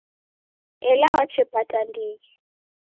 Ela wachepata ndighi.